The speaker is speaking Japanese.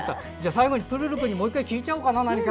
最後にプルルくんに何かもう１回、聞いちゃおうかな。